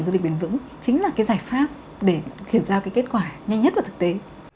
phát triển du lịch bền vững chính là cái giải pháp để kiểm tra cái kết quả nhanh nhất vào thực tế